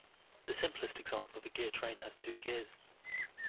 The simplest example of a gear train has two gears.